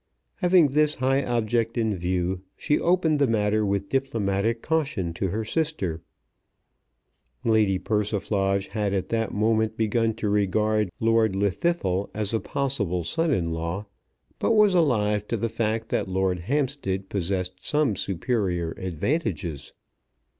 Having this high object in view, she opened the matter with diplomatic caution to her sister. Lady Persiflage had at that moment begun to regard Lord Llwddythlw as a possible son in law, but was alive to the fact that Lord Hampstead possessed some superior advantages.